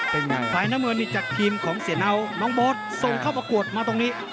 เป็นไงสายน้ำเมืองเน่วนี่จากทีมของเสียเนาน้องบอทส่งเข้าประควรมาตรงนี้